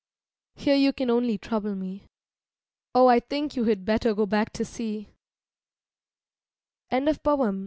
Here you can only trouble me. Oh, I think you had better go back to sea!